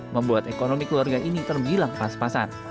membuat ekonomi keluarga ini terbilang pas pasan